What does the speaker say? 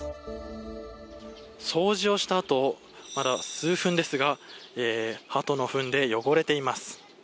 掃除をしたあとまだ数分ですがハトのフンで汚れています。